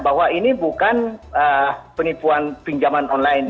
bahwa ini bukan penipuan pinjaman online